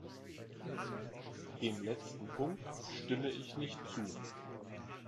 Dem letzten Punkt stimme ich nicht zu.